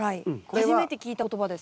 初めて聞いた言葉です。